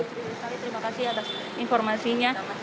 terima kasih atas informasinya